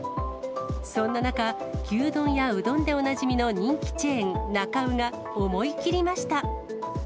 そんな中、牛丼やうどんでおなじみの人気チェーン、なか卯が、思い切りました。